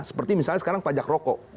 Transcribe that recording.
seperti misalnya sekarang pajak rokok